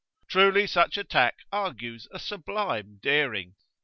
Truly such attack argues a sublime daring.